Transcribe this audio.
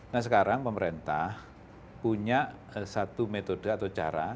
nah sekarang pemerintah punya satu metode atau cara